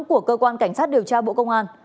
của cơ quan cảnh sát điều tra bộ công an